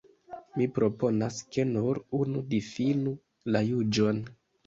Mi proponas, ke nur unu difinu la juĝon.